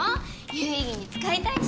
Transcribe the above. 有意義に使いたいし。